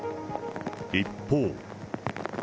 一方。